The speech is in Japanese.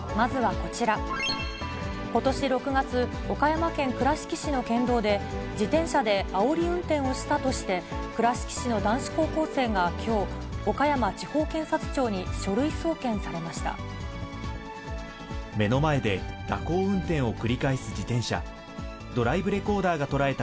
ことし６月、岡山県倉敷市の県道で、自転車であおり運転をしたとして、倉敷市の男子高校生がきょう、岡山地方検察庁に書類送検されました。